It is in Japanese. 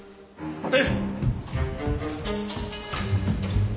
待て！